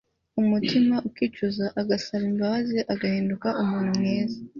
umutima akicuza, agasaba imbabazi, agahinduka umuntu mwiza